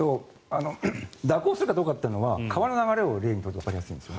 蛇行するかどうかというのは川の流れを例に取るとわかりやすいんです。